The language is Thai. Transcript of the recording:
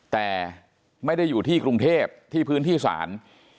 แต่ไม่ได้อยู่ที่กรุงเทพที่พื้นที่ศาล